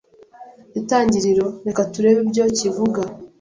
’Itangiriro. Reka turebe ibyo kivuga.